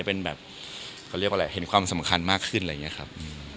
ความเกิดความแข็งในสิ่งที่คุณทำได้ไหมครับ